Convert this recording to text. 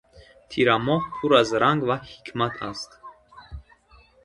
Тирамоҳ пур аз ранг ва ҳикмат аст.